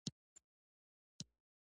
آیا کاناډایی شرکتونه هلته کار نه کوي؟